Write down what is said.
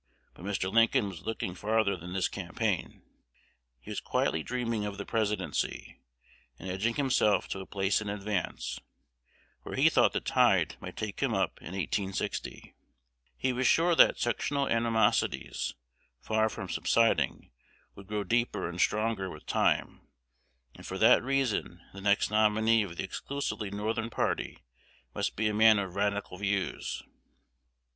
But Mr. Lincoln was looking farther than this campaign: he was quietly dreaming of the Presidency, and edging himself to a place in advance, where he thought the tide might take him up in 1860. He was sure that sectional animosities, far from subsiding, would grow deeper and stronger with time; and for that reason the next nominee of the exclusively Northern party must be a man of radical views.